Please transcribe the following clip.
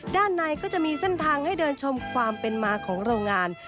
ด้านในก็จะมีเส้นทางให้เดินชมความเป็นมาของโรงงาน